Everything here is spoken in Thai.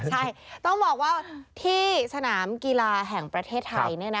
ใช่ต้องบอกว่าที่สนามกีฬาแห่งประเทศไทย